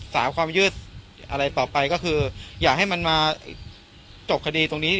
สามความยืดอะไรต่อไปก็คืออย่าให้มันมาจบคดีตรงนี้